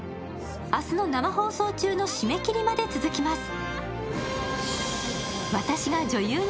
明日の生放送中の締切まで続きます。